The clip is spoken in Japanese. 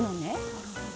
なるほど。